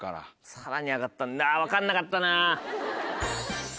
さらに上がったんだ分かんなかったな。